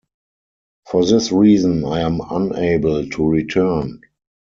For this reason I am unable to return.